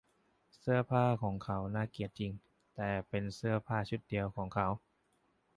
เสื้อผ้าของเขาน่าเกลียดจริง แต่เป็นเสื้อผ้าชุดเดียวของเขา